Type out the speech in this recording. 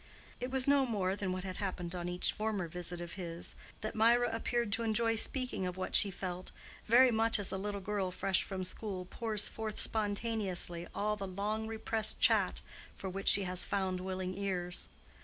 It was no more than what had happened on each former visit of his, that Mirah appeared to enjoy speaking of what she felt very much as a little girl fresh from school pours forth spontaneously all the long repressed chat for which she has found willing ears.